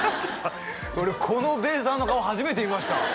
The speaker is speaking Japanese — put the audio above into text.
俺このべーさんの顔初めて見ました